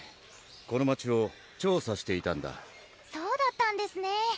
この街を調査していたんだそうだったんですね